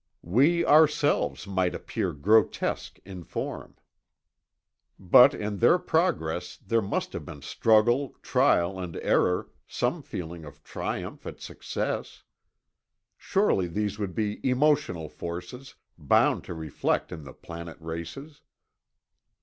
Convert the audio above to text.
We ourselves might appear grotesque in form. But in their progress, there must have been struggle, trial and error, some feeling of triumph at success. Surely these would be emotional forces, bound to reflect in the planet races.